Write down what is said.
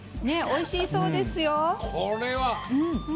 おいしいそうですよ。